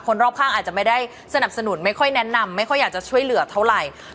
รอบข้างอาจจะไม่ได้สนับสนุนไม่ค่อยแนะนำไม่ค่อยอยากจะช่วยเหลือเท่าไหร่